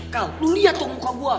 kal lo liat tuh muka gue